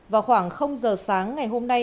vào khoảng giờ sáng ngày hôm nay